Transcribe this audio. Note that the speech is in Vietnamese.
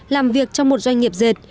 làm việc trong một doanh nghiệp dệt